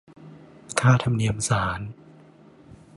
ค่าธรรมเนียมศาล